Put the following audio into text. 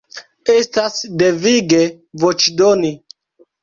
Estas devige voĉdoni.